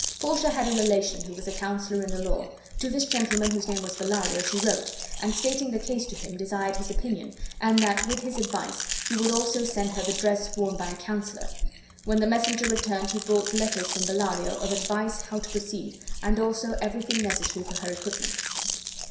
Portia had a relation who was a counselor in the law; to this gentleman, whose name was Bellario, she wrote, and, stating the case to him, desired his opinion, and that with his advice he would also send her the dress worn by a counselor. When the messenger returned he brought letters from Bellario of advice how to proceed, and also everything necessary for her equipment.